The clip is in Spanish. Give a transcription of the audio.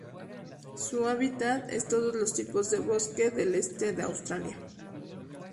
Su hábitat es todos los tipos de bosques del este de Australia.